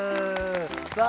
さあ